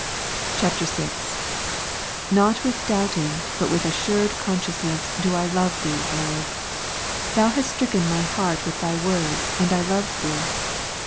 10. ' [VI ] 8 Not with doubting, Init with assured conscious ness, do I love Thee, Lord. Thou hast stricken my heart with Thy word, and I loved Thee.